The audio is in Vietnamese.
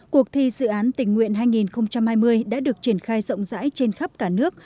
cuộc thi dự án tình nguyện hai nghìn hai mươi đã được triển khai rộng rãi trên khắp cả nước